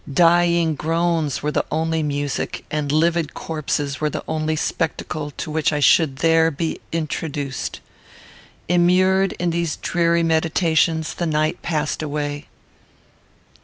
Dying groans were the only music, and livid corpses were the only spectacle, to which I should there be introduced. Immured in these dreary meditations, the night passed away.